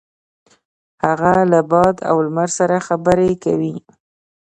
هغه له باد او لمر سره خبرې کوي.